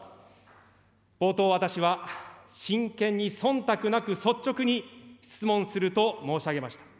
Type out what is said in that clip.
冒頭、私は真剣にそんたくなく、率直に質問すると申し上げました。